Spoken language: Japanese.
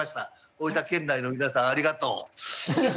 大分県内の皆さんありがとう。